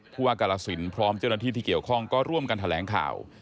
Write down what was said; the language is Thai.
ผู้ว่ากาลสินพร้อมเจ้าหน้าที่ที่เกี่ยวข้องก็ร่วมกันแถลงข่าว